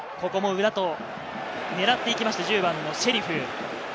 ここも裏と狙っていきました、１０番のシェリフ。